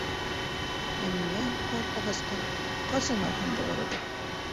Ә миңә, ҡарт ағасҡа, ҡасан ауһам да барыбер.